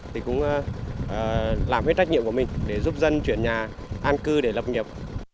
thì cũng làm hết trách nhiệm của mình để giúp dân chuyển nhà an cư để lập nhập